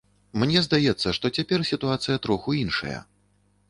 Мне здаецца, што цяпер сітуацыя троху іншая.